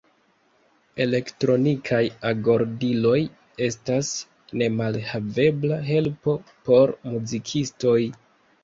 Elektronikaj agordiloj estas nemalhavebla helpo por muzikistoj.